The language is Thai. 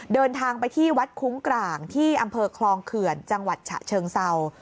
เดินทางไปที่วัดคุ้งกลางที่อำเภอคลองเขื่อนจังหวัดฉะเชิงเศร้า